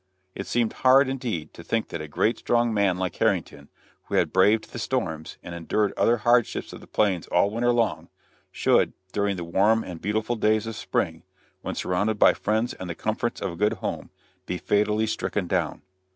It seemed hard, indeed, to think that a great strong man like Harrington, who had braved the storms, and endured the other hardships of the plains all winter long, should, during the warm and beautiful days of spring, when surrounded by friends and the comforts of a good home, be fatally stricken down.